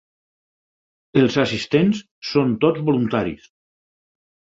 Els assistents són tots voluntaris.